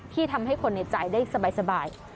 ที่ทำให้คนในจ่ายได้สบาย